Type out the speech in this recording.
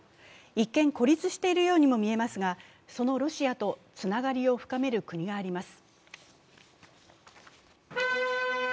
一見、孤立しているようにも見えますがそのロシアとつながりを深める国があります。